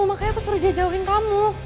makanya aku suruh dia jauhin tamu